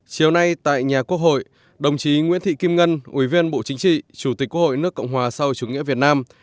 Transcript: chiều nay tại nhà quốc hội đồng chí nguyễn thị kim ngân ủy viên bộ chính trị chủ tịch quốc hội nước cộng hòa sau chủ nghĩa việt nam